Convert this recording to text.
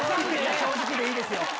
正直でいいですよ。